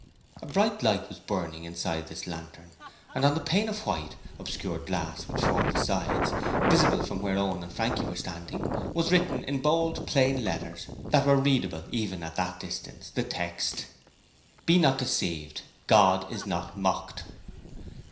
A bright light was burning inside this lantern and on the pane of white, obscured glass which formed the sides, visible from where Owen and Frankie were standing, was written in bold plain letters that were readable even at that distance, the text: 'Be not deceived: God is not mocked!'